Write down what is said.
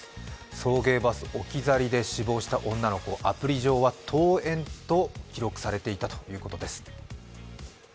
送迎バス置き去りで死亡した女の子、アプリ上は登園と記録されていたということです。